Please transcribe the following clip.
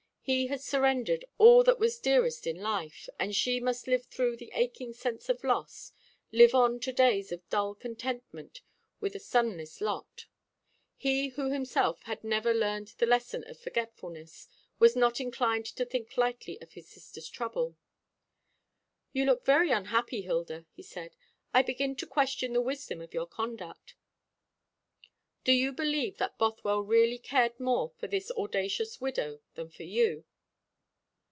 She had surrendered all that was dearest in life, and she must live through the aching sense of loss, live on to days of dull contentment with a sunless lot. He who himself had never learned the lesson of forgetfulness was not inclined to think lightly of his sister's trouble. "You look very unhappy, Hilda," he said. "I begin to question the wisdom of your conduct. Do you believe that Bothwell really cared more for this audacious widow than for you?"